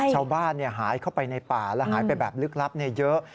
ชาวบ้านหายเข้าไปในป่าและหายไปแบบลึกลับเยอะ